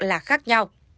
là khác nhau